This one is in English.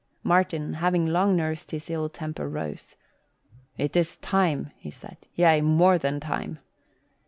Martin, having long nursed his ill temper, rose. "It is time," he said, "yea, more than time."